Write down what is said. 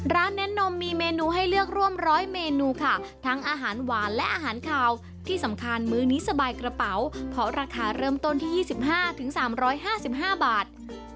เน้นนมมีเมนูให้เลือกร่วม๑๐๐เมนูค่ะทั้งอาหารหวานและอาหารขาวที่สำคัญมื้อนี้สบายกระเป๋าเพราะราคาเริ่มต้นที่๒๕๓๕๕บาท